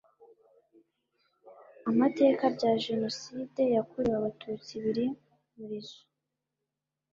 amateka bya jenoside yakorewe abatutsi biri murizo.